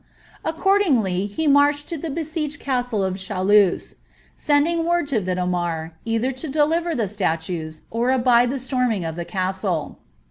Accordingly, lie tii«rclied M besiege the casUe of Chaluz, sending word to Vidomax, eilhei to deliver the statues, or abide the storming of the castle.